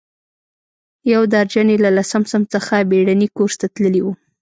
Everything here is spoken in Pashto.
یو درجن یې له لسم صنف څخه بېړني کورس ته تللي وو.